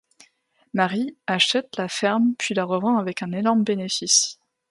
Mary achète la ferme puis la revend avec un énorme bénéfice.